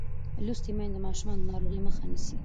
لوستې میندې د ماشومانو د ناروغۍ مخه نیسي.